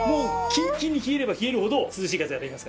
キンキンに冷えれば冷えるほど涼しい風が出ますから。